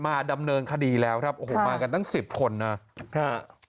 มาดำเนินคดีแล้วครับมากันตั้ง๑๐คนนะ